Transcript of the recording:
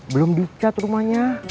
belum dicat rumahnya